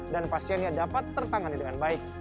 dan pasiennya dapat tertangani dengan baik